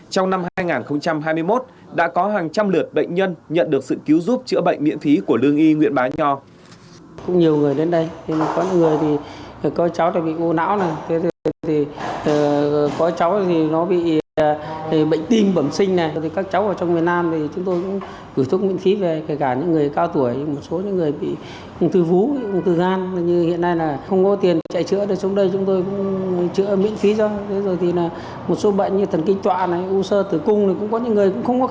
trong năm hai nghìn hai mươi một đã có hàng trăm lượt bệnh nhân nhận được sự cứu giúp chữa bệnh miễn phí của lương y nguyễn bá nho